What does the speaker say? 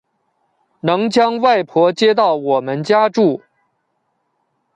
能将外婆接到我们家住